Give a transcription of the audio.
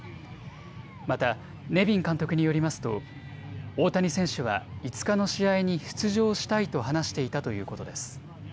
またネビン監督によりますと大谷選手は５日の試合に出場したいと話していたということです。